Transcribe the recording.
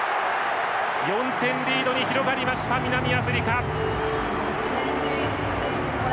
４点リードに広がりました南アフリカ！